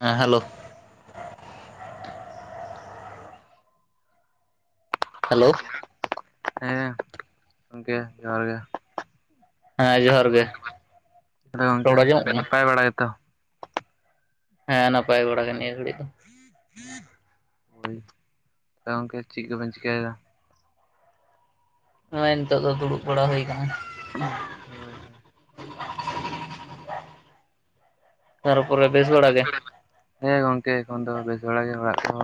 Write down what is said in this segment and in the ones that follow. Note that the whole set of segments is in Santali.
ᱦᱮᱸ ᱦᱮᱞᱳ᱾ ᱦᱮᱞᱳ᱾ ᱦᱮᱸ ᱜᱚᱝᱠᱮ ᱡᱚᱦᱟᱨ ᱜᱮ᱾ ᱦᱮᱸ ᱡᱚᱦᱟᱨ ᱜᱮ᱾ ᱛᱟᱦᱚᱞᱮ ᱜᱚᱝᱠᱮ ᱨᱚᱲ ᱟᱸᱡᱚᱢᱚᱜ ᱠᱟᱱᱟ ᱱᱟᱯᱟᱭ ᱵᱟᱲᱟᱭᱟᱛᱚ? ᱦᱮᱸ ᱱᱟᱯᱟᱭ ᱵᱟᱲᱟ ᱜᱮ ᱲᱤᱭᱟᱹ ᱜᱷᱟᱹᱲᱤᱡ ᱫᱚ᱾ [inaudible] ᱦᱳᱭ ᱜᱚᱝᱠᱮ ᱪᱮᱫ ᱠᱚᱵᱮᱱ ᱪᱤᱠᱟᱹᱭᱮᱫᱟ? ᱱᱚᱜ-ᱚᱭ ᱱᱤᱛᱚᱜ ᱫᱚ ᱫᱩᱲᱩᱵ ᱵᱟᱲᱟ ᱦᱩᱭ ᱠᱟᱱᱟ᱾ ᱦᱳᱭ ᱦᱳᱭ᱾ ᱛᱟᱨ ᱯᱚᱨᱮ ᱵᱮᱥ ᱵᱟᱲᱟ ᱜᱮ? ᱦᱮᱸ ᱜᱚᱝᱠᱮ ᱮᱠᱷᱚᱱ ᱫᱚ ᱵᱮᱥ ᱵᱟᱲᱟᱜ ᱜᱮ, ᱚᱲᱟᱜ ᱠᱚ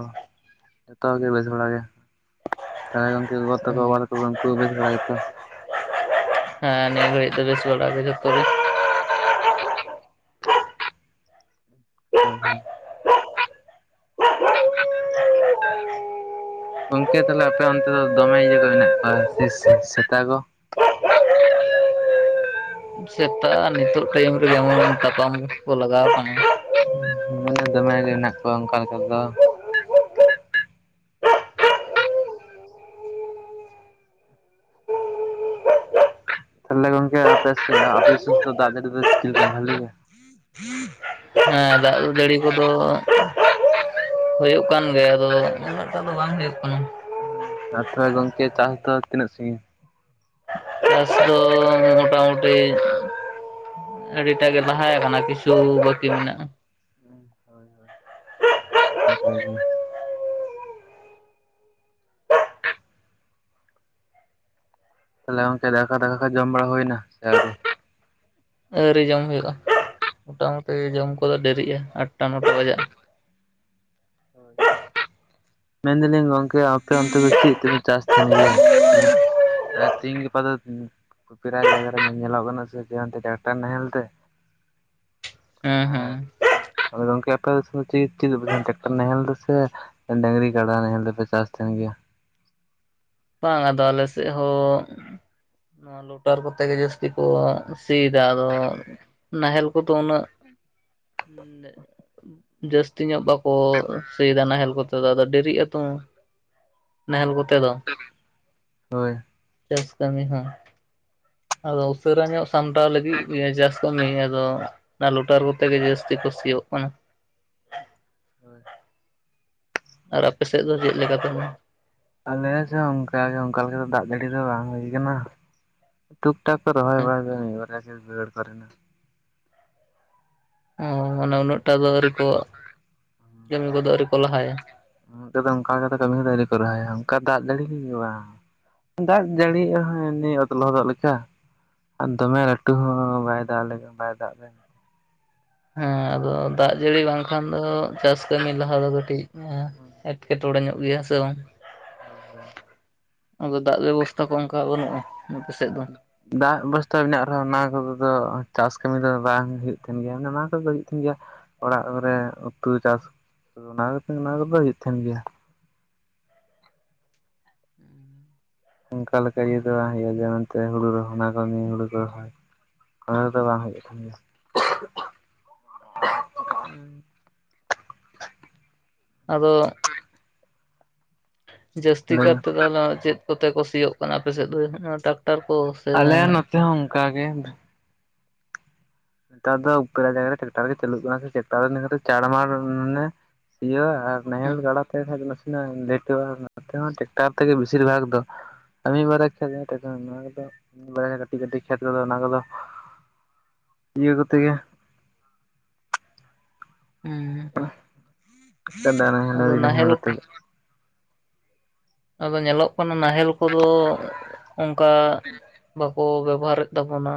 ᱡᱷᱚᱛᱚ ᱜᱮ ᱵᱮᱥ ᱵᱟᱲᱟᱜ ᱜᱮ᱾ ᱦᱮᱸ ᱜᱚᱝᱠᱮ ᱜᱚᱜᱚ-ᱵᱟᱵᱟ ᱛᱟᱠᱚ ᱩᱱᱠᱩ ᱦᱚᱸ ᱵᱮᱥ ᱵᱟᱲᱟ ᱜᱮᱛᱚ? ᱦᱮᱸ ᱟᱞᱮᱫᱚ ᱱᱤᱭᱟᱹ ᱜᱷᱟᱹᱤᱪ ᱵᱮᱥ ᱵᱟᱲᱟᱟ ᱜᱮ ᱡᱚᱛᱚ᱾ ᱦᱳᱭ [inaudible] ᱜᱚᱢᱠᱮ ᱛᱟᱦᱚᱞᱮ ᱟᱯᱮ ᱚᱱᱛᱮ ᱫᱚ ᱫᱚᱢᱮ ᱤᱭᱟᱹ ᱠᱚ ᱢᱮᱱᱟᱜ ᱠᱚᱣᱟ, ᱥᱮ-ᱥᱮᱛᱟ ᱠᱚ? ᱥᱮᱛᱟ ᱱᱤᱛᱚᱜ ᱴᱟᱭᱤᱢ ᱨᱮ ᱡᱮᱢᱚᱱ ᱛᱟᱯᱟᱢ ᱠᱚ ᱞᱟᱜᱟᱣ ᱠᱟᱱᱟ᱾ ᱫᱚᱢᱮᱜ ᱜᱮ ᱢᱮᱱᱟᱜᱮᱱᱟᱜ ᱠᱳᱭᱟ ᱚᱱᱠᱟ ᱞᱮᱠᱟ ᱛᱮᱫᱚ᱾ ᱛᱟᱦᱚᱞᱮ ᱜᱚᱝᱠᱮ ᱟᱯᱮ ᱥᱮᱫ, ᱟᱯᱮ ᱫᱤᱥᱚᱢ ᱫᱟᱜ ᱡᱟᱹᱲᱤ ᱫᱚ ᱛᱤᱱᱟᱹᱜ ᱵᱷᱟᱞᱮᱭᱟ? ᱦᱮᱸ, ᱫᱟᱜ ᱡᱟᱹᱲᱤ ᱠᱚᱫᱚ ᱦᱳᱭᱳᱜ ᱠᱟᱱ ᱜᱮᱭᱟ ᱟᱫᱚ ᱩᱱᱟᱹᱜᱴᱟ ᱫᱚ ᱵᱟᱝ ᱦᱩᱭᱩᱜ ᱠᱟᱱᱟ᱾ ᱦᱩᱸ ᱟᱛᱷᱚ [unintelligible] ᱜᱚᱝᱠᱮ ᱪᱟᱥ ᱫᱚ ᱛᱤᱱᱟᱹᱜ ᱥᱟᱺᱜᱤᱧ? ᱪᱥ ᱫᱚ ᱢᱳᱴᱟᱢᱩ ᱴᱤ ᱟᱹᱰᱤᱴᱟ ᱜᱮ ᱞᱟᱦᱟ ᱟᱠᱟᱱᱟ ᱠᱤᱪᱷᱩ ᱵᱟᱹᱠᱤ ᱢᱮᱱᱟᱜ-ᱟ᱾ ᱦᱳᱭ ᱦᱳᱭ ᱚᱱᱠ ᱜᱮ᱾ ᱛᱟᱦᱚᱞᱮ ᱜᱚᱝᱠᱮ ᱫᱟᱠᱟ, ᱫᱟᱠᱟ ᱠᱚ ᱡᱚᱢ ᱵᱟᱲᱟ ᱦᱩᱭᱮᱱᱟ ᱥᱮ ᱟᱣᱨᱤ? ᱟᱹᱣᱨᱤ ᱡᱚᱢ ᱦᱩᱭᱩᱜ-ᱟ, ᱢᱚᱴᱟᱢᱩᱴᱤ ᱡᱚᱢ ᱠᱚᱫᱚ ᱫᱮᱨᱤᱜᱼᱟ ᱟᱴᱴᱟ ᱱᱚᱴᱟ ᱵᱟᱡᱟᱜ-ᱟ᱾ ᱢᱮᱱ ᱫᱟᱞᱤᱧ ᱜᱚᱝᱠᱮ ᱟᱯᱮ ᱚᱱᱛᱮ ᱫᱚ ᱪᱮᱫ ᱛᱮᱯᱮ ᱪᱟᱥ ᱛᱟᱦᱮᱱ ᱜᱮᱭᱟ? ᱛᱤᱦᱤᱧ ᱜᱟᱯᱟ ᱫᱚ ᱯᱮᱨᱟᱭ ᱡᱟᱭᱜᱟ ᱨᱮ ᱧᱮᱞᱚᱜ ᱠᱟᱱᱟ ᱥᱮᱚᱱ ᱴᱟᱠᱴᱟᱨ ᱱᱟᱦᱮᱞ ᱛᱮ ᱦᱮᱸ ᱦᱮᱸ ᱟᱨ ᱜᱚᱢᱠᱮ ᱟᱯᱮ ᱫᱤᱥᱚᱢ ᱥᱤ ᱪᱤ, ᱪᱤ ᱡᱟᱸᱦᱟᱱ ᱴᱟᱠᱴᱟᱨᱤ ᱱᱟᱦᱮᱞ ᱛᱮᱥᱮ ᱰᱟᱝᱨᱤ ᱠᱟᱲᱟ ᱱᱟᱦᱮᱞ ᱛᱮ ᱯᱮ ᱪᱟᱥ ᱛᱟᱦᱮᱱ ᱜᱮᱭᱟ? ᱵᱟᱝ ᱟᱫᱚ ᱟᱞᱮ ᱥᱮᱫ ᱦᱚᱸ ᱱᱚᱣᱟ ᱞᱳᱴᱟᱨ ᱠᱚᱛᱮ ᱜᱮ ᱡᱟᱹᱥᱛᱤ ᱠᱚ ᱥᱤᱭᱮᱫᱟ ᱟᱫᱚ, ᱱᱟᱦᱮᱞ ᱠᱚᱫᱚ ᱩᱱᱟᱹᱜ ᱡᱟᱹᱥᱛᱤ ᱧᱚᱜ ᱵᱟᱠᱚ ᱥᱮᱫᱟ ᱱᱟᱦᱮᱞ ᱠᱚᱛᱮ ᱫᱚ ᱟᱫᱚ ᱰᱮᱨᱤᱜᱼᱟ ᱟᱛᱚ ᱱᱟᱦᱮᱞ ᱠᱚᱛᱮ ᱫᱚ᱾ ᱦᱳᱭ᱾ ᱪᱟᱹᱥ ᱠᱟᱹᱢᱤ ᱦᱚᱸ ᱟᱫᱚ ᱩᱥᱟᱹᱨᱟ ᱧᱚᱜ ᱥᱟᱢᱴᱟᱣ ᱞᱟᱹᱜᱤᱫ ᱤᱭᱟᱹ ᱪᱟᱥ ᱠᱟᱹᱢᱤ ᱦᱩᱭᱩᱜ-ᱟ ᱫᱚ ᱚᱱᱟ ᱞᱩᱴᱟᱨ ᱠᱚᱛᱮ ᱜᱮ ᱡᱟᱹᱥᱛᱤ ᱠᱚ ᱥᱤᱜᱩᱜ ᱠᱟᱱᱟ᱾ ᱦᱳᱭ᱾ ᱟᱨ ᱟᱯᱮ ᱥᱮᱫ ᱫᱚ ᱪᱮᱫ ᱞᱮᱠᱟ ᱛᱟᱦᱚᱞᱮ? ᱟᱞᱮ ᱥᱮᱫ ᱚᱱᱠᱟᱜᱮ ᱚᱱᱠᱟ ᱞᱮᱠᱟ ᱫᱟᱜ ᱡᱟᱹᱲᱤ ᱫᱚ ᱵᱟᱝ ᱦᱩᱭ ᱠᱟᱱᱟ᱾ ᱴᱩᱠ ᱴᱟᱠ ᱠᱚ ᱨᱚᱦᱚᱭ ᱵᱟᱲᱟ [inaudible] ᱚ ᱢᱟᱱᱮ ᱩᱱᱟᱹᱜ ᱴᱟ ᱫᱚ ᱟᱹᱣᱨᱤ ᱠᱚ, ᱠᱟᱹᱢᱤ ᱠᱚᱫᱚ ᱟᱹᱣᱨᱤ ᱠᱚ ᱞᱟᱦᱟᱭᱟ? ᱱᱚᱛᱮ ᱫᱚ ᱚᱱᱠᱟ ᱠᱟᱫᱟ ᱠᱚ [inaudible] ᱠᱚ ᱨᱦᱟᱭᱟ ᱚᱱᱠᱟ ᱫᱟᱜ ᱡᱟᱹᱲᱤ ᱠᱚᱜᱮ ᱵᱟᱝ᱾ ᱫᱟᱜ ᱡᱟᱹᱲᱤᱭᱟᱜ ᱦᱚᱸ ᱱᱤ ᱚᱛ ᱞᱚᱫᱚᱜ ᱞᱮᱠᱟ᱾ ᱟᱨ ᱫᱚᱢᱮ ᱞᱟᱹᱴᱩ ᱦᱚᱸ ᱵᱟᱭ ᱫᱟᱜ ᱞᱮ ᱵᱟᱭ ᱫᱟᱜ ᱞᱮᱫᱟ᱾ ᱦᱮᱸ ᱟᱫᱚ ᱫᱟᱜ ᱡᱟᱹᱲᱤ ᱵᱟᱝᱠᱷᱟᱱ ᱫᱚ ᱪᱟᱥ ᱠᱟᱹᱢᱤ ᱞᱟᱦᱟ ᱫᱚ ᱠᱟᱹᱴᱤᱡ ᱦᱳᱭ ᱮᱴᱠᱮᱴᱚᱬᱮ ᱧᱚᱜ ᱜᱮᱭᱟ ᱥᱮ ᱵᱟᱝ? ᱦᱳᱭ ᱦᱳᱭ᱾ ᱟᱫᱚ ᱫᱟᱜ ᱵᱮᱵᱚᱥᱛᱷᱟ ᱠᱚ ᱚᱱᱠᱟ ᱵᱟᱹᱱᱩᱜᱼᱟ ᱱᱟᱯᱮ ᱥᱮᱫ ᱫᱚ? ᱫᱟᱜ ᱵᱮᱵᱚᱥᱛᱷᱟ ᱢᱮᱱᱟᱜ ᱨᱮᱦᱚᱸ ᱚᱱᱟ ᱠᱚ ᱫᱚ ᱪᱟᱥ ᱠᱟᱹᱢᱤ ᱫᱚ ᱵᱟᱝ ᱦᱩᱭᱩᱜ ᱛᱟᱦᱮᱱ ᱜᱮᱭᱟ ᱢᱟᱱᱮ ᱚᱱᱟ ᱠᱚᱫᱚ ᱦᱩᱭᱩᱜ ᱠᱟᱱᱱ ᱜᱮᱭᱟ᱾ ᱚᱲᱟᱜ ᱠᱚᱨᱮ ᱩᱛᱩ ᱪᱟᱥ ᱚᱱᱟ ᱠᱚᱛᱮ ᱚᱱᱟ ᱠᱚᱫᱚ ᱦᱩᱭᱩᱜ ᱛᱟᱦᱮᱱ ᱜᱮᱭᱟ᱾ ᱩᱸᱻ ᱚᱱᱠᱟ ᱞᱮᱠᱟ ᱤᱭᱟᱹ ᱫᱚ ᱵᱟᱝ ᱦᱩᱭᱩᱜᱼᱟ ᱡᱮᱢᱚᱱᱛᱮ ᱦᱩᱲᱩ ᱨᱚᱦᱚᱭ ᱚᱱᱟ ᱠᱟᱹᱢᱤ ᱦᱩᱲᱩ ᱠᱚ ᱨᱚᱦᱚᱭ ᱚᱱᱟ ᱫᱚ ᱵᱟᱝ ᱦᱩᱭᱩᱜ-ᱟ ᱛᱷᱚ ᱱᱤᱭᱟᱹ ᱦᱩᱸ ᱟᱫᱚ ᱡᱟᱹᱥᱛᱤ ᱜᱮᱭᱟ ᱠᱟᱨᱛᱮ ᱛᱟᱦᱚᱞᱮ ᱪᱮᱫ ᱠᱚᱛᱮ ᱠᱚ ᱥᱤᱭᱚᱜ ᱠᱟᱱᱟ ᱟᱯᱮᱥᱮᱫ ᱫᱚ ᱴᱟᱠᱴᱟᱨ ᱠᱚ ᱥᱮ ᱟᱞᱮ ᱡᱟᱦᱟᱸ ᱱᱚᱛᱮ ᱦᱚᱸ ᱚᱱᱠᱟᱜ ᱜᱮ᱾ ᱱᱮᱛᱟᱨ ᱫᱚ ᱯᱮᱲᱟ ᱡᱟᱭᱜᱟ ᱨᱮ ᱴᱨᱟᱠᱟᱨ ᱜᱮ ᱪᱟᱹᱞᱩᱜ ᱠᱟᱱᱟ ᱥᱮ ᱴᱨᱟᱠᱴᱟᱨ ᱫᱚ ᱱᱟᱨ ᱪᱟᱲᱢᱟᱲ ᱢᱟᱱᱮ ᱤᱭᱟ. ᱟᱨ ᱱᱟᱦᱮᱞ ᱦᱩᱸ ᱜᱟᱰᱟ ᱛᱮ ᱠᱷᱟᱱ ᱱᱟᱥᱮᱱᱟᱜ ᱞᱮᱴᱚᱜᱼᱟ ᱱᱛᱮ ᱦᱚᱸ ᱴᱮᱠᱴᱟᱨ ᱛᱮᱜᱮ ᱵᱤᱥᱤᱨ ᱵᱷᱟᱜ ᱫᱚ᱾ ᱠᱟᱹᱢᱤ ᱵᱟᱨᱟ ᱠᱷᱮᱛ ᱠᱚ ᱠᱟᱹᱴᱤᱡ ᱠᱟᱹᱴᱤᱡ ᱠᱷᱮᱛ ᱠᱚᱫᱚ ᱚᱱᱟ ᱠᱚᱫᱚ ᱤᱭᱟᱹ ᱠᱚᱛᱮ ᱜᱮ ᱦᱩᱸ ᱮᱠᱮᱱ ᱰᱟᱝᱨᱟ-ᱰᱟᱝᱨᱤ ᱱᱟᱦᱮᱞ ᱠᱚᱛᱮ ᱟᱫᱚ ᱧᱮᱞᱚᱜ ᱠᱟᱱᱟ ᱱᱟᱦᱮᱞ ᱠᱚᱫᱚ ᱚᱱᱠᱟ ᱵᱟ ᱠᱚ ᱵᱮᱵᱚᱦᱟᱨᱮᱫ ᱛᱟᱵᱚᱱᱟ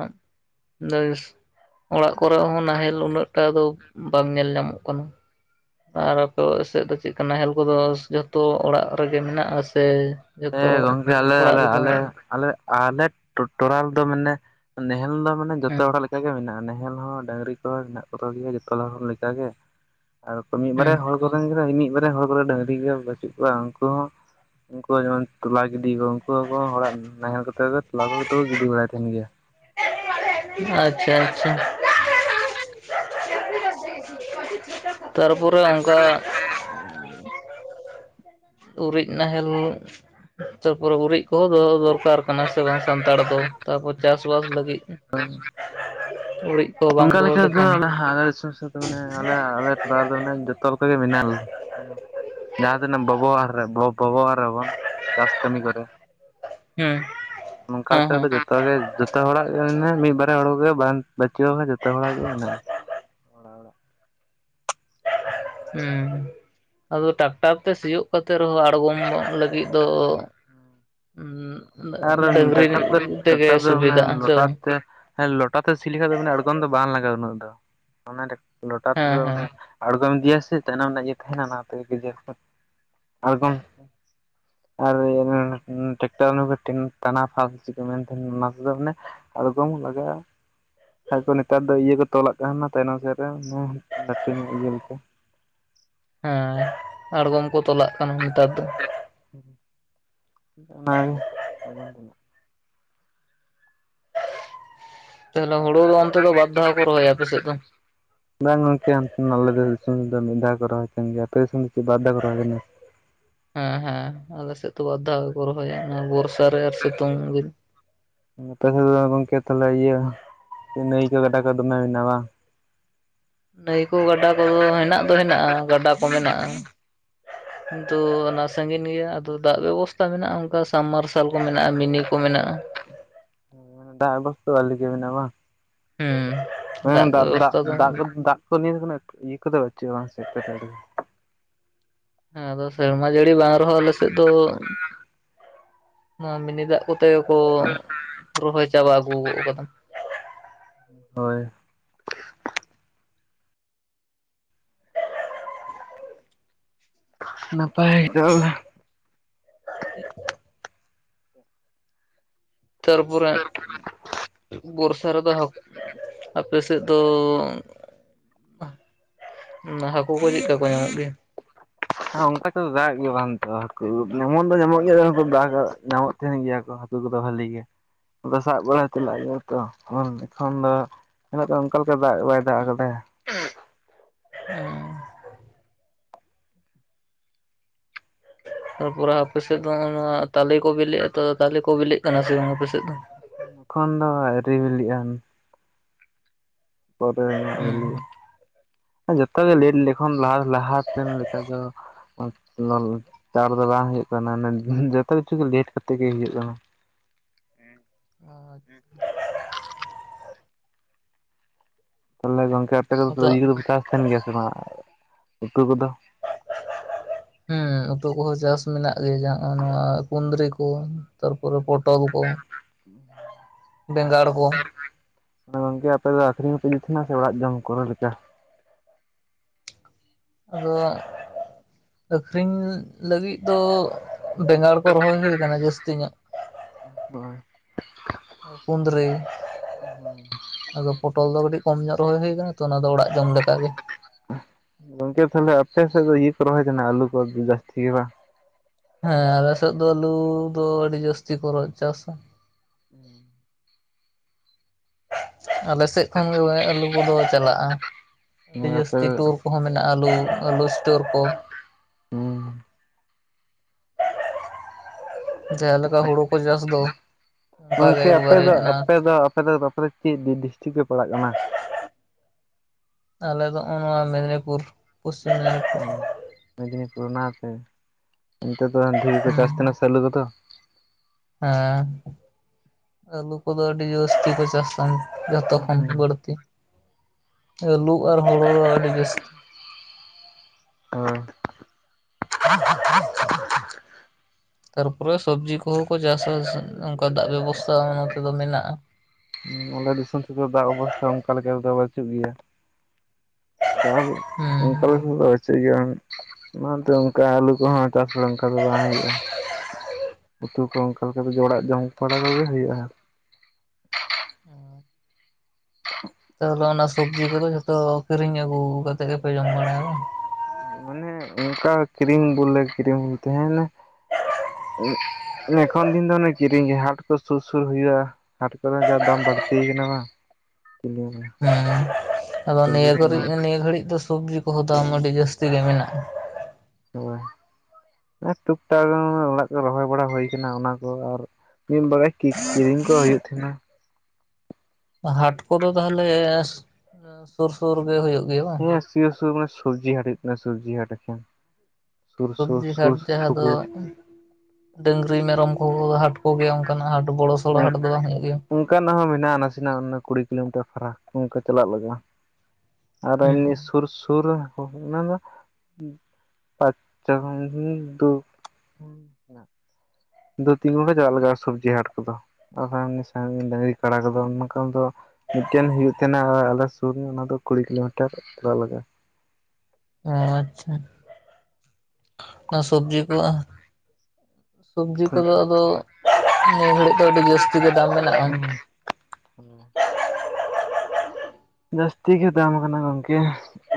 [inaudible] ᱚᱲᱟᱜ ᱠᱚᱨᱮ ᱦᱚᱸ ᱱᱟᱦᱮᱞ ᱩᱱᱟᱹᱜ ᱴᱟ ᱫᱚ ᱵᱟᱝ ᱧᱮᱞ ᱧᱟᱢᱚᱜ ᱠᱟᱱᱟ᱾ ᱟᱨ ᱟᱯᱮ ᱥᱮᱫ ᱫᱚ ᱪᱮᱫ ᱠᱟ ᱱᱟᱦᱮᱞ ᱠᱚᱫᱚ ᱡᱷᱚᱛᱚ ᱚᱲᱟᱜ ᱨᱮᱜᱮ ᱢᱮᱱᱟᱜ ᱥᱮ? ᱦᱮᱸ ᱡᱷᱚᱛᱚ ᱜᱚᱝᱠᱮ ᱟᱞᱮ ᱚᱲᱟᱜ ᱟᱞᱮ ᱨᱮᱫᱚ ᱟᱞᱮ ᱟᱞᱮ ᱟᱞᱮ ᱴᱚᱼᱴᱚᱞᱟ ᱨᱮᱫᱚ ᱢᱟᱱᱮ ᱱᱟᱮᱦᱮᱞ ᱫᱚ ᱢᱟᱱᱮ ᱡᱚᱛᱚ ᱦᱮᱸ ᱦᱚᱲᱟᱜ ᱞᱮᱠᱟ ᱜᱮ ᱢᱮᱱᱟᱜᱼᱟ ᱱᱟᱦᱮᱞ ᱦᱚᱸ ᱰᱟᱝᱝᱨᱤ ᱠᱚᱦᱚᱸ ᱢᱮᱱᱟᱜ ᱠᱚ ᱛᱟᱞᱮᱭᱟ ᱡᱚᱛᱚ ᱦᱚᱲ ᱞᱮᱠᱟᱜ ᱜᱮ᱾ ᱟᱨ ᱢᱤᱫ ᱦᱮᱸ ᱵᱟᱨᱭᱟ ᱦᱚᱲ ᱠᱚᱨᱮᱱ ᱜᱮ ᱢᱤᱫ ᱵᱟᱨᱭᱟ ᱦᱚᱲ ᱠᱚᱨᱮ ᱰᱟᱝᱝᱨᱤ ᱠᱚ ᱵᱪᱩᱜ ᱠᱚᱣᱟ ᱩᱱᱠᱩ ᱦᱚᱸ ᱩᱱᱠᱩᱣᱟᱜ ᱡᱮᱢᱚᱱ ᱛᱚᱞᱟ ᱜᱤᱰᱤ ᱠᱚ ᱩᱱᱠᱩ ᱠᱚ ᱦᱚᱲᱟᱜ ᱱᱟᱦᱮᱞ ᱠᱚᱛᱮ ᱫᱚ ᱛᱚᱞᱟ ᱠᱚᱫᱚ ᱠᱚ ᱜᱤᱰᱤ ᱵᱟᱲᱟᱭ ᱛᱟᱦᱮᱱ ᱜᱮᱭᱟ᱾ ᱟᱪᱪᱷᱟᱼᱟᱪᱪᱷᱟ᱾ ᱛᱟᱨᱯᱚᱨᱮ ᱚᱱᱠᱟ ᱩᱨᱤᱡ ᱱᱟᱦᱮᱞ ᱪᱟᱹᱯᱚᱨᱮ ᱜᱩᱨᱤᱡ ᱠᱚᱦᱚᱸ ᱫᱚᱦᱚ ᱫᱚ ᱫᱚᱨᱠᱟᱨ ᱠᱟᱱᱟ ᱥᱮ ᱵᱟᱝ ᱥᱟᱱᱛᱟᱲ ᱫᱚ ᱛᱟᱯᱚᱨ ᱪᱟᱥᱵᱟᱥ ᱞᱟᱹᱜᱤᱫ [inaudible] ᱩᱲᱤᱡ ᱚᱱᱠᱟ ᱞᱮᱠᱟ ᱫᱚ ᱞᱟᱦᱟ ᱟᱞᱮ ᱥᱩᱨ ᱥᱩᱨ ᱫᱚ ᱢᱟᱱᱮ ᱟᱞᱮ ᱟᱞᱮ ᱚᱲᱟᱜ ᱨᱮᱫᱚ ᱢᱟᱱᱮ ᱡᱚᱛᱚ ᱞᱮᱠᱟ ᱜᱮ ᱢᱮᱱᱟᱞᱼᱼ ᱡᱟᱦᱟᱸ ᱛᱤᱱᱟᱹᱜ [unintelligible] ᱨᱮ [unintelligible] ᱨᱮᱵᱚᱱ ᱪᱟᱥ ᱠᱟᱹᱢᱤ ᱠᱚᱨᱮ [inaudible] ᱱᱚᱝᱠᱟ ᱞᱮᱠᱟ ᱦᱮᱸ ᱫᱚ ᱡᱚᱛᱚ ᱜᱮ ᱡᱚᱛᱚ ᱦᱚᱲᱟᱜ ᱜᱮ [unintelligible] ᱢᱤᱫ ᱵᱟᱨᱭᱟ ᱦᱚᱲᱜᱮ ᱵᱟᱝᱼᱼ [unintelligible] ᱵᱟᱹᱪᱩᱜᱼᱟ ᱵᱟᱝ ᱠᱷᱟᱱ ᱡᱚᱛᱚ ᱦᱚᱲᱟᱜ ᱜᱮ ᱢᱮᱱᱟᱜᱼᱟ ᱦᱩᱸ ᱟᱫᱚ ᱴᱟᱠᱴᱟᱨ ᱛᱮ ᱥᱤᱭᱳᱜ ᱠᱟᱛᱮ ᱨᱮᱦᱚᱸ ᱟᱬᱜᱚᱢ ᱞᱟᱹᱜᱤᱫ ᱫᱚ ᱟᱨ ᱦᱩᱸ ᱰᱟᱹᱝᱨᱤ ᱴᱨᱟᱠᱴᱟᱨ ᱫᱚ ᱛᱮᱜᱮ ᱴᱨᱟᱠᱴᱟᱨ ᱫᱚ ᱥᱩᱵᱤᱫᱟᱜᱼᱟ ᱚᱱᱮ ᱥᱮ ᱞᱚᱴᱟ ᱵᱟᱝ ᱛᱮ ᱦᱮᱸ ᱞᱚᱴᱟ ᱛᱮ ᱥᱤ ᱞᱮᱠᱷᱟᱡ ᱫᱚ ᱟᱬᱜᱚᱢ ᱫᱚ ᱵᱟᱝ ᱞᱟᱜᱟᱜᱼᱟ ᱩᱱᱟᱹᱜ ᱫᱚ, ᱚᱱᱟ ᱞᱚᱴᱟ ᱦᱮᱸ ᱛᱮᱫᱚ ᱦᱮᱸ ᱢᱟᱱᱮ ᱟᱬᱜᱚᱢ ᱤᱫᱤᱭᱟ ᱥᱮ ᱛᱟᱭᱱᱚᱢ ᱨᱮᱱᱟᱜ ᱤᱭᱟᱹ ᱛᱟᱦᱮᱱᱟ ᱚᱱᱟᱛᱮ ᱜᱮᱡᱮᱨ ᱟᱬᱜᱚᱢ ᱟᱨ ᱚᱱᱟ ᱴᱮᱠᱴᱟᱨ [inaudible] ᱛᱟᱱᱟ ᱯᱷᱟᱞ ᱪᱤᱠᱟᱹ ᱢᱮᱱ ᱛᱟᱦᱮᱱ ᱚᱱᱟ ᱛᱮ ᱫᱚ ᱢᱟᱱᱮ ᱟᱲᱜᱚᱢ ᱞᱟᱜᱟᱜᱼᱟ᱾ ᱟᱨ ᱠᱚ ᱱᱮᱛᱟᱨ ᱫᱚ ᱤᱭᱟᱹ ᱠᱚ ᱛᱚᱞᱟᱜ ᱠᱟᱱᱟ ᱛᱟᱭᱱᱚᱢ ᱥᱮᱫ ᱨᱮ ᱞᱟᱹᱴᱩ ᱧᱚᱜ ᱤᱭᱟᱹ ᱞᱮᱠᱟ᱾ ᱦᱮᱸ ᱟᱬᱜᱚᱢ ᱠᱚ ᱛᱚᱞᱟᱜ ᱠᱟᱱᱟ ᱱᱮᱛᱟᱨ ᱫᱚ᱾ ᱦᱩᱸ ᱚᱱᱟ [inaudible] ᱛᱟᱦᱚᱞᱮ ᱦᱩᱲᱩ ᱫᱚ ᱚᱱᱛᱮ ᱫᱚ ᱵᱟᱨ ᱫᱷᱟᱣ ᱠᱚ ᱨᱚᱦᱚᱭᱟ ᱟᱯᱮ ᱥᱮᱫ ᱫᱚ? ᱵᱟᱝ ᱜᱚᱝᱠᱮ ᱦᱟᱱᱛᱮ ᱟᱞᱮ ᱫᱚ ᱫᱤᱥᱚᱢ ᱫᱚ ᱢᱤᱫ ᱫᱷᱟᱣ ᱠᱚ ᱨᱚᱦᱚᱭ ᱛᱟᱦᱮᱱ ᱜᱮᱭᱟ᱾ ᱟᱯᱮ ᱥᱮᱱ ᱫᱚ ᱪᱮᱫ ᱵᱟᱨ ᱫᱷᱟᱣ ᱠᱚ ᱨᱚᱦᱚᱭ ᱜᱮᱭᱟ? ᱦᱮᱸ ᱦᱮᱸ ᱟᱞᱮ ᱥᱮᱫ ᱫᱚ ᱵᱟᱨ ᱫᱷᱟᱣ ᱜᱮᱠᱚ ᱫᱚᱦᱚᱭᱟ, ᱵᱚᱨᱥᱟ ᱨᱮ ᱟᱨ ᱥᱮᱛᱩᱝ ᱫᱤᱱ᱾ [inaudible] ᱫᱚ ᱜᱚᱝᱠᱮ ᱛᱟᱦᱚᱞᱮ ᱤᱭᱟᱹ ᱱᱟᱹᱭ ᱠᱚ ᱜᱟᱰᱟ ᱠᱚ ᱫᱚᱢᱮ ᱢᱮᱱᱟᱜᱼᱟ᱾ ᱱᱟᱹᱭ ᱠᱚ ᱜᱟᱰᱟ ᱠᱚᱫᱚ ᱦᱮᱱᱟᱜ ᱫᱚ ᱦᱮᱼᱟ ᱜᱟᱰᱟ ᱠᱚ ᱢᱮᱱᱟᱜᱼᱟ ᱛᱳ ᱚᱱᱟ ᱥᱟᱺᱜᱤᱱ ᱜᱮᱭᱟ ᱟᱫᱚ ᱫᱟᱜ ᱵᱮᱵᱚᱥᱛᱟ ᱢᱮᱱᱟᱜᱼᱟ, ᱚᱱᱠᱟ ᱥᱟᱢᱵᱽᱢᱟᱨᱥᱟᱞ ᱠᱚ ᱢᱮᱱᱟᱜᱼᱟ, ᱢᱤᱱᱤ ᱠᱚ ᱢᱮᱱᱟᱜᱼᱟ᱾ [unintelligible] ᱟᱱᱮ [unintelligible] ᱰ [unintelligible] ᱵᱚᱥᱛᱣᱟᱞᱤᱠᱤ [unintelligible] ᱱᱟ ᱵᱟᱝ ᱦᱮᱸ ᱦᱮᱸ ᱫᱟᱜ ᱫᱟᱜ ᱵᱮᱵᱚᱥᱛᱷᱟ ᱫᱚ ᱦᱮᱸ ᱫᱟᱜ ᱠᱚ ᱫᱟᱜ ᱠᱚ ᱱᱤᱭᱟᱹ ᱠᱚᱫᱚ ᱪᱮᱫ ᱦᱚᱸ ᱵᱟᱝ ᱮᱴᱠᱮᱴᱚᱬᱮᱼᱼ ᱦᱮᱸ ᱟᱫᱚ ᱥᱮᱨᱢᱟ ᱡᱟᱹᱲᱤ ᱵᱟᱝ ᱨᱮᱦᱚᱸ ᱟᱞᱮ ᱥᱮᱫ ᱫᱚ ᱱᱚᱣᱟ ᱢᱤᱱᱤ ᱫᱟᱜ ᱠᱚᱛᱮ ᱜᱮ ᱠᱚ ᱨᱚᱦᱚᱭ ᱪᱟᱵᱟ ᱟᱹᱜᱩ ᱜᱚᱫ ᱟᱠᱟᱫᱟ᱾ ᱦᱚᱭ ᱱᱟᱯᱟᱭ ᱫᱚᱞᱼᱼ [inaudible] ᱛᱟᱨᱯᱚᱨᱮ ᱵᱚᱨᱥᱟ ᱨᱮᱫᱚ ᱦᱟ [inaudible] ᱟᱯᱮ ᱥᱮᱫ ᱫᱚ ᱦᱟᱹᱠᱩ ᱠᱚ ᱪᱮᱫᱠᱟ ᱠᱚ ᱧᱟᱢᱚᱜ ᱜᱮᱭᱟ ᱦᱮᱸ ᱚᱱᱠᱟ ᱛᱮᱫᱚ ᱫᱟᱜ ᱜᱮ ᱵᱟᱝ ᱛᱚ [inaudible] ᱦᱟᱹᱠᱩ ᱧᱟᱢᱚᱜ ᱫᱚ ᱧᱟᱢᱚᱜ ᱜᱮᱭᱟ, ᱠᱷᱩᱵ ᱫᱟᱜᱽᱼᱟ [inaudible] ᱧᱟᱢᱚᱜ ᱛᱟᱸᱦᱮᱱ ᱜᱮᱭᱟ ᱠᱚ ᱦᱟᱹᱠᱩ ᱠᱚᱫᱚ ᱵᱷᱟᱹᱞᱤ ᱜᱮ, ᱟᱫᱚ ᱥᱟᱵᱽ ᱵᱟᱲᱟ ᱪᱟᱞᱟᱜ ᱜᱮᱭᱟ ᱛᱚ ᱦᱚᱲ ᱮᱠᱷᱚᱱ ᱫᱚ [unintelligible] ᱫᱚ ᱚᱱᱠᱟ ᱞᱮᱠᱟ ᱫᱟᱜ ᱜᱮ ᱵᱟᱭ ᱫᱟᱜ ᱟᱠᱟᱫᱟᱭ᱾ [inaudible] ᱛᱟᱨᱯᱚᱨᱮ ᱟᱯᱮ ᱥᱮᱫ ᱫᱚ ᱚᱱᱟ ᱛᱟᱞᱮ ᱠᱚ ᱵᱤᱞᱤᱜᱼᱟ ᱛᱚ ᱛᱟᱞᱮ ᱠᱚ ᱵᱤᱞᱤᱜ ᱠᱟᱱᱟ ᱥᱮ ᱵᱟᱝ ᱟᱯᱮ ᱥᱮᱫ ᱫᱚ ᱮᱠᱷᱚᱱ ᱫᱚ ᱟᱹᱣᱨᱤ ᱵᱤᱞᱤᱜᱼᱟ᱾ ᱯᱚᱨᱮ ᱧᱚᱜ ᱦᱩᱸ [inaudible] ᱡᱚᱛᱚ ᱜᱮ ᱞᱮᱴ ᱞᱮᱠᱷᱟᱱ ᱞᱟᱦᱟᱼᱞᱟᱦᱟ ᱥᱮᱱ ᱞᱮᱠᱟ ᱫᱚ [inaudible] ᱪᱟᱬ ᱫᱚ ᱵᱟᱝ ᱦᱩᱭᱩᱜ ᱠᱟᱱᱟ, ᱚᱱᱟ ᱡᱚᱛᱚ ᱠᱤᱪᱷᱩ ᱜᱮ ᱞᱮᱹᱴ ᱠᱟᱛᱮ ᱜᱮ ᱤᱡᱟᱹᱜ ᱠᱟᱱᱟ ᱟᱪᱷᱟ ᱛᱟᱦᱞᱮ ᱜᱚᱝᱠᱮ ᱟᱯᱮ ᱠᱚᱫᱚ ᱟᱫᱚ ᱤᱭᱟᱹ ᱠᱚᱫᱚ [inaudible] ᱩᱛᱩ ᱪᱟᱥ ᱛᱟᱦᱮᱱ ᱜᱮᱭᱟ ᱥᱮ ᱵᱟᱝ ᱩᱛᱩ ᱠᱚᱫᱚ ᱦᱮᱸ ᱩᱛᱩ ᱠᱚᱦᱚᱸ ᱪᱟᱥ ᱢᱮᱱᱟᱜ ᱜᱮᱚᱭ ᱱᱚᱣᱟ ᱠᱩᱸᱫᱽᱨᱤ ᱠᱚ ᱛᱟᱨᱯᱚᱨᱮ ᱯᱚᱴᱚᱞ ᱠᱚ, ᱵᱮᱸᱜᱟᱲ ᱠᱚ ᱢᱟᱱᱮ ᱜᱚᱝᱠᱮ ᱟᱯᱮ ᱫᱚ ᱟᱹᱠᱷᱨᱤᱧ ᱦᱚᱸᱯᱮ ᱤᱫᱤ ᱛᱟᱦᱮᱱᱟ ᱥᱮ ᱚᱲᱟᱜ ᱡᱚᱢ ᱠᱚᱨᱮ ᱞᱮᱠᱟ ᱟᱫᱚ ᱟᱹᱠᱷᱨᱤᱧ ᱞᱟᱹᱜᱤᱫ ᱫᱚ ᱵᱮᱸᱜᱟᱲ ᱠᱚ ᱨᱚᱦᱚᱭ ᱦᱩᱭ ᱟᱠᱟᱱᱟ ᱡᱟᱹᱥᱛᱤ ᱧᱚᱜ [inaudible] ᱠᱩᱫᱽᱨᱤ ᱦᱮᱸ ᱟᱫᱚ ᱯᱚᱴᱚᱞ ᱫᱚ ᱠᱟᱹᱴᱤᱡ ᱠᱚᱢ ᱧᱚᱜ ᱨᱚᱦᱚᱭ ᱦᱩᱭᱩᱭᱟᱱᱟ ᱛᱚ ᱚᱱᱟ ᱫᱚ ᱚᱲᱟᱜ ᱡᱚᱢ ᱞᱮᱠᱟᱜ ᱜᱮ ᱜᱚᱝᱠᱮ ᱛᱟᱦᱞᱮ ᱟᱯᱮ ᱥᱮᱫ ᱫᱚ ᱤᱭᱟᱹ ᱠᱚ ᱨᱚᱦᱚᱭ ᱛᱟᱦᱮ ᱟᱞᱩ ᱠᱚ ᱡᱟᱹᱥᱛᱤ ᱜᱮ ᱵᱟᱝ ᱦᱮᱸ ᱟᱞᱮᱥᱮᱫ ᱫᱚ ᱟᱞᱩ ᱫᱚ ᱟᱹᱰᱤ ᱡᱟᱹᱥᱛᱤ ᱠᱚ ᱨᱚᱜ ᱪᱟᱥᱟ ᱦᱩᱸ ᱟᱞᱮ ᱥᱮᱫ ᱠᱷᱚᱱ ᱜᱮ ᱟᱹᱞᱩ ᱠᱚᱫᱚ ᱪᱟᱞᱟᱜᱼᱟ᱾ ᱦᱮᱸ ᱟᱹᱰᱤ ᱟᱯᱮ ᱡᱟᱹᱥᱛᱤ ᱴᱩᱨ ᱠᱚᱦᱚᱸ ᱢᱮᱱᱟᱜ-ᱟ ᱟᱹᱞᱩ-ᱟᱹᱞᱩ ᱤᱥᱴᱳᱨ ᱠᱚ᱾ ᱦᱩᱸ ᱡᱟᱦᱟᱸ ᱞᱮᱠᱟ ᱦᱩᱲᱩ ᱠᱚ ᱪᱟᱥ ᱫᱚ ᱚᱱᱠᱟ ᱜᱮ ᱜᱚᱝᱠᱮ ᱟᱯᱮ ᱮᱠᱵᱟᱨᱮ ᱫᱚ ᱚᱱᱟ ᱟᱯᱮ ᱫᱚ ᱟᱯᱮ ᱫᱚ ᱛᱟᱯᱚᱨᱮ ᱪᱮᱫ ᱰᱤᱥᱴᱤᱠ ᱨᱮ ᱯᱟᱲᱟᱜ ᱠᱟᱱᱟ? ᱟᱞᱮ ᱫᱚ ᱱᱚᱜᱼᱚ ᱱᱚᱣᱟ ᱢᱮᱫᱽᱱᱤᱯᱩᱨ, ᱯᱚᱥᱪᱤᱢ ᱢᱮᱫᱽᱱᱤ ᱢᱤᱫᱫᱽᱱᱤᱯᱩᱨᱩᱨ ᱚᱱᱟᱛᱮ ᱩᱱᱠᱩ ᱫᱚ ᱰᱷᱮᱨ ᱠᱚ ᱪᱟᱥ ᱦᱩᱸ ᱛᱟᱦᱮᱱᱟ ᱥᱮ ᱟᱹᱞᱩ ᱠᱚᱫᱚ? ᱦᱮᱸ ᱟᱹᱞᱩ ᱠᱚᱫᱚ ᱟᱹᱰᱤ ᱡᱟᱹᱥᱛᱤ ᱠᱚ ᱪᱟᱥᱟ᱾ ᱡᱚᱛᱚ ᱠᱷᱚᱱ ᱦᱳᱭ ᱵᱟᱹᱲᱛᱤ ᱟᱹᱞᱩ ᱟᱨ ᱦᱚᱲᱚ ᱫᱚ ᱟᱹᱰᱤ ᱡᱟᱹᱥᱛᱤ ᱦᱚᱭ ᱛᱟᱨᱯᱚᱨᱮ ᱥᱚᱵᱽᱡᱤ ᱠᱚᱦᱚᱸ ᱠᱚ ᱪᱟᱥᱟ ᱚᱱᱠᱟ ᱫᱟᱜ ᱵᱮᱵᱚᱥᱛᱟ ᱚᱱᱟᱛᱮᱫᱚ ᱢᱮᱱᱟᱜᱼᱟ ᱟᱞᱮ ᱫᱤᱥᱚᱢ ᱛᱮᱫ ᱫᱟᱜ ᱚᱵᱚᱥᱛᱷᱟ ᱚᱱᱠᱟ ᱞᱮᱠᱟᱮᱫ ᱵᱟᱹᱪᱩᱜ ᱜᱮᱭᱟ [inaudible] ᱫᱟᱜ [unintelligible] ᱦᱩᱸ [unintelligible] ᱟᱞᱮ ᱥᱮᱫ ᱫᱚ ᱵᱟᱪᱩᱜ ᱜᱮᱭᱟ ᱚᱱᱟᱛᱮ ᱚᱱᱠᱟ ᱟᱹᱞᱩ ᱠᱚᱦᱚᱸ ᱪᱟᱥ ᱚᱱᱠᱟ ᱫᱚ ᱵᱟᱝ ᱦᱩᱭᱩᱜᱼᱟ ᱩᱛᱩ ᱠᱚ ᱚᱱᱠᱟᱠᱟ ᱚᱲᱟᱜ ᱡᱚᱢ ᱵᱟᱲᱟ ᱠᱚᱜᱮ ᱦᱩᱭᱩᱜᱼᱟ᱾ ᱛᱟᱦᱞᱮ ᱚᱱᱟ ᱥᱚᱵᱽᱡᱤ ᱠᱚᱫᱚ ᱡᱷᱚᱛᱚ ᱠᱤᱨᱤᱧ ᱟᱹᱜᱩ ᱠᱟᱛᱮᱜ ᱜᱮᱯᱮ ᱡᱚᱢ ᱵᱟᱲᱟᱭᱟ ᱵᱟᱝ? ᱢᱟᱱᱮ ᱚᱱᱠᱟ ᱠᱨᱤᱨᱤᱢ ᱵᱚᱞᱮ ᱠᱤᱨᱤᱢ ᱛᱟᱦᱮᱸᱱᱟ᱾ ᱮᱠᱷᱚᱱ ᱫᱤᱱ ᱫᱚ ᱚᱱᱮ ᱠᱤᱨᱤᱧ ᱜᱮ ᱦᱟᱴ ᱠᱚ ᱥᱩᱨ ᱥᱩᱨ ᱦᱩᱭᱩᱜᱼᱟ᱾ ᱦᱟᱴ ᱠᱚᱨᱮ ᱡᱟ ᱫᱟᱢ ᱵᱟᱹᱲᱛ ᱠᱟᱱᱟ ᱵᱟᱝ, [inaudible] ᱦᱩᱸ ᱟᱫᱚ ᱥᱚᱵᱽᱡᱤ ᱱᱤᱭᱟᱹ ᱠᱚᱨᱮ ᱦᱳᱭ ᱱᱤᱭᱟᱹ ᱜᱷᱟᱹᱲᱤᱡ ᱫᱚ ᱥᱚᱵᱡᱤ ᱠᱚᱦᱚᱸ ᱫᱟᱢ ᱟᱹᱰᱤ ᱡᱟᱹᱥᱛᱤ ᱜᱮ ᱢᱮᱱᱟᱜᱼᱟ᱾ ᱦᱳᱭ ᱴᱩᱠ ᱴᱟᱠ ᱚᱲᱟᱜ ᱠᱚ ᱨᱚᱦᱚᱭ ᱵᱟᱲᱟ ᱦᱩᱭ ᱠᱟᱱᱟ ᱚᱱᱟ ᱠᱚ ᱟᱨ ᱢᱤᱫᱵᱟᱨᱮ ᱠᱤᱠ ᱠᱤᱨᱤᱧ ᱠᱚ ᱦᱩᱭᱩᱜ ᱛᱟᱦᱮᱸᱱᱟ᱾ ᱦᱟᱴ ᱠᱚᱫᱚ ᱛᱟᱦᱚᱞᱮ ᱥᱩᱨ ᱥᱩᱨ ᱜᱮ ᱦᱩᱭᱩᱜ ᱜᱮᱭᱟ ᱵᱟᱝ? ᱦᱮᱸ ᱥᱩᱨ ᱥᱩᱨ ᱥᱚᱵᱡᱤ ᱦᱴᱤᱴ ᱥᱚᱵᱡᱤ ᱦᱟᱴ ᱮᱠᱮᱱ᱾ ᱥᱚᱵᱡᱤ ᱦᱟᱴ ᱡᱟᱦᱟᱸ ᱫᱚ ᱥᱩᱯᱩᱨ ᱰᱟᱹᱝᱨᱤ ᱢᱮᱨᱚᱢ ᱠᱚ ᱦᱟᱴ ᱠᱚᱜᱮᱭᱟ ᱚᱱᱠᱟᱱᱟᱜ ᱦᱟᱴ ᱵᱚᱲᱚ ᱥᱚᱲᱚ ᱦᱟᱴ ᱫᱚ ᱵᱟᱝ ᱦᱩᱭᱩᱜ ᱜᱮᱭᱟ? ᱚᱱᱠᱟᱱᱟᱜ ᱦᱚᱸ ᱦᱮᱱᱟᱜᱼᱟ ᱱᱟᱥᱮᱱᱟᱜ ᱠᱩᱲᱤ ᱠᱤᱞᱳᱢᱤᱴᱟᱨ ᱯᱷᱟᱨᱟ ᱚᱱᱠᱟ ᱪᱟᱞᱟᱜ ᱞᱟᱜᱼᱟ᱾ ᱟᱨ ᱦᱩᱸ᱾ ᱮᱢᱱᱤ ᱥᱩᱨ ᱥᱩᱨ ᱚᱱᱟ ᱫᱚ ᱟᱪᱪᱷᱟ ᱦᱩᱸ ᱦᱩᱸ ᱫᱩ ᱫᱩ ᱛᱤᱱ ᱜᱚᱴᱟᱝ ᱪᱟᱞᱟᱜ ᱞᱟᱜᱟᱜᱼᱟ ᱥᱚᱵᱽᱡᱤ ᱦᱟᱴ ᱠᱚᱫᱚ ᱟᱨ ᱥᱟᱺᱜᱤᱧ ᱠᱟᱲᱟ ᱠᱚ ᱫᱚ ᱢᱤᱫᱴᱮᱱ ᱦᱩᱭᱩᱜᱭᱳ ᱛᱟᱦᱮᱱᱟ ᱟᱞᱮ ᱥᱩᱨ ᱨᱮ ᱚᱱᱟ ᱫᱚ ᱠᱩᱲᱤ ᱠᱤᱞᱳᱢᱤᱴᱟᱨ ᱪᱟᱞᱟᱜ ᱞᱟᱜᱟᱜᱼᱟ᱾ ᱚᱻ ᱟᱪᱪᱷᱟ ᱚᱱᱟ ᱥᱚᱵᱡᱤ ᱠᱚ ᱥᱚᱵᱡᱤ ᱠᱚᱫᱚ ᱟᱫᱚ ᱱᱤᱭᱟᱹ ᱜᱷᱟᱹᱲᱤᱡ ᱫᱚ ᱟᱹᱰᱤ ᱡᱟᱹᱥᱛᱤ ᱜᱮ ᱫᱟᱢ ᱢᱮᱱᱟᱜᱼᱟ᱾ ᱡᱟᱹᱥᱛᱤ ᱜᱮ ᱫᱟᱢ ᱠᱟᱱᱟ ᱜᱚᱢᱠᱮ᱾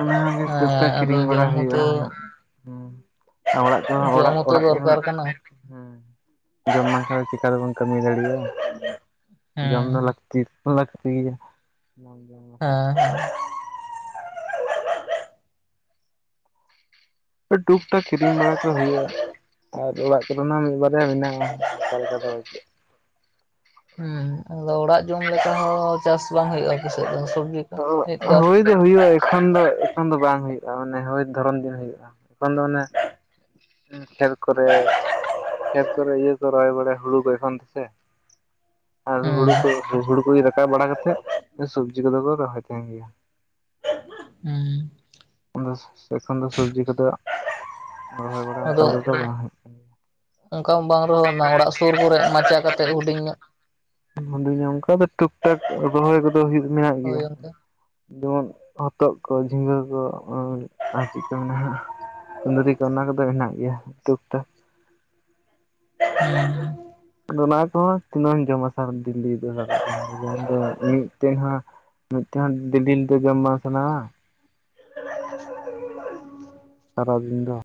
ᱚᱱᱟᱜᱮ ᱛᱚᱠᱛᱟ ᱦᱮᱸ ᱟᱫᱚ ᱠᱤᱨᱤᱧ ᱵᱟᱲᱟ ᱡᱚᱢ ᱦᱩᱭᱩᱜᱼᱟ ᱦᱚᱸᱛᱚ ᱦᱟᱸᱜ ᱦᱩᱸ ᱚᱲᱟᱜ ᱠᱚᱦᱚᱸ ᱡᱚᱢ ᱚᱲᱟᱜ ᱦᱚᱸᱛᱚ ᱚᱲᱟᱜ ᱠᱚᱦᱚᱸ ᱦᱮᱸ ᱫᱚᱨᱠᱟᱨ ᱠᱟᱱᱟ ᱡᱚᱢ ᱵᱟᱝᱠᱷᱟᱱ ᱫᱚ ᱪᱤᱠᱟ ᱛᱮᱵᱚᱱ ᱠᱟᱹᱢᱤ ᱫᱟᱲᱮᱭᱟᱜᱼᱟ ᱡᱚᱢ ᱫᱚ ᱦᱮᱸ ᱞᱟᱹᱠ ᱛᱤᱥ ᱞᱟᱹᱠᱛᱤᱭᱟ [inaudible] ᱟᱸ ᱴᱩᱠ ᱴᱟᱠ ᱠᱤᱨᱤᱧ ᱵᱟᱲᱟ ᱠᱚ ᱦᱩᱭᱩᱜᱼᱟ᱾ ᱟᱨ ᱚᱲᱟᱜ ᱠᱚᱨᱮᱱᱟᱜ ᱢᱤᱫ ᱵᱟᱨᱭᱟ ᱢᱮᱱᱟᱜᱼᱟ ᱚᱱᱠᱟ ᱞᱮᱠᱟ ᱫᱚ ᱵᱟᱹᱪᱩᱜ ᱦᱩᱸ ᱟᱫᱚ ᱚᱲᱟᱜ ᱡᱚᱢ ᱞᱮᱠᱟ ᱦᱚᱸ ᱪᱟᱥ ᱵᱟᱝ ᱦᱩᱭᱩᱜᱼᱟ ᱟᱯᱮ ᱥᱮᱫ ᱫᱚ ᱥᱚᱵᱡ ᱦᱚᱸ ᱦᱩᱭ ᱫᱚ ᱦᱩᱭᱩᱜᱼᱟ᱾ ᱮᱠᱷᱚᱱ ᱫᱚ ᱮᱠᱷᱚᱱ ᱫᱚ ᱵᱟᱝ ᱦᱩᱭᱩᱜᱼᱟ, ᱢᱟᱱᱮ ᱦᱳᱭ ᱫᱷᱚᱨᱚᱢ ᱫᱤᱱ ᱦᱩᱭᱩᱜᱼᱟ, ᱮᱠᱷᱚᱱ ᱫᱚ ᱢᱟᱱᱮ ᱠᱷᱮᱛ ᱠᱚᱨᱮ ᱠᱷᱮᱛ ᱠᱚᱨᱮ ᱤᱭᱟᱹ ᱠᱚ ᱨᱚᱦᱚᱭ ᱵᱟᱲᱟᱭ ᱦᱩᱲᱩ ᱠᱚ ᱮᱠᱷᱚᱱ ᱛᱚᱥᱮ? ᱟᱨ ᱦᱮᱸ ᱦᱩᱲᱩ ᱠᱚ ᱦᱩᱲᱩ ᱠᱚ ᱨᱟᱠᱟᱵ ᱵᱟᱲᱟ ᱠᱟᱛᱮᱜ, ᱥᱚᱵᱡᱤ ᱠᱚᱫᱚ ᱠᱚ ᱨᱚᱦᱚᱭ ᱛᱟᱦᱮᱱ ᱜᱮᱭᱟ᱾ [inaudible] ᱦᱩᱸ ᱟᱫᱚ ᱮᱠᱷᱚᱱ ᱫᱚ ᱥᱚᱵᱡᱤ ᱠᱚᱫᱚ ᱨᱚ ᱦᱚᱭ ᱵᱟᱲᱟ ᱚᱱᱠᱟ ᱞᱮᱠᱟ ᱫᱚ ᱵᱟᱝ ᱚᱝᱠᱟ ᱢᱟ ᱵᱟᱝ ᱨᱮᱦᱚ ᱚᱲᱟᱜ ᱥᱩᱨ ᱠᱚᱨᱮ ᱢᱟᱪᱟ ᱠᱟᱛᱮᱜ ᱦᱩᱰᱤᱧ ᱧᱚᱜ ᱦᱮᱱᱫᱟᱧ ᱧᱚᱜ ᱚᱝᱠᱟ ᱫᱚ ᱴᱩᱠ ᱴᱟᱠ ᱨᱚᱦᱚᱭ ᱠᱚᱫᱚ ᱦᱩᱭᱩᱜ ᱢᱮᱱᱟᱜ ᱦᱳᱭ ᱜᱮᱭᱟ ᱚᱱᱠᱟ ᱡᱮᱢᱚᱱ ᱦᱚᱛᱚᱜ ᱠᱚ ᱡᱷᱤᱸᱜᱟᱹ ᱠᱚ ᱟᱨ ᱪᱮᱜ ᱠᱚ ᱢᱮᱱᱟ ᱠᱩᱸᱫᱽᱨᱤ ᱠᱚ ᱛᱚ ᱚᱱᱟ ᱠᱚᱫᱚ ᱦᱮᱱᱟᱜ ᱜᱮᱭᱟ ᱴᱩᱠ ᱴᱟᱠ ᱦᱩᱸ [unintelligible] ᱟᱫᱚ ᱚᱱᱟ ᱠᱚᱦᱚᱸ ᱛᱤᱱᱟᱹᱜ ᱮᱢ ᱡᱚᱢᱟ ᱥᱟᱨᱟ ᱫᱤᱞᱤ ᱫᱚ ᱥᱟᱨᱟᱫᱤᱱ ᱫᱚ ᱡᱚᱢ ᱫᱚ ᱢᱤᱫᱴᱮᱜ ᱦᱟᱸ ᱢᱤᱫᱴᱟᱱ ᱦᱚᱸ ᱫᱤ-ᱫᱤᱱᱛᱮ ᱡᱚᱢ ᱵᱟᱝ ᱥᱟᱱᱟᱣᱟ᱾ [inaudible] ᱥᱟᱨᱟ ᱫᱤᱱ ᱫᱚ